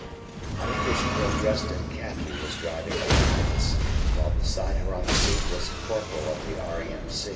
An English girl dressed in khaki was driving the ambulance, while beside her on the seat was a Corporal of the R.A.M.